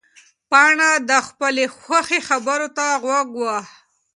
پاڼه د خپلې خواښې خبرو ته غوږ وه.